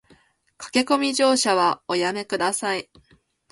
駆け込み乗車はおやめ下さい